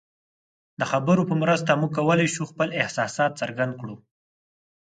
د خبرو په مرسته موږ کولی شو خپل احساسات څرګند کړو.